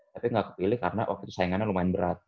tapi gak kepilih karena waktu itu saingannya lumayan berat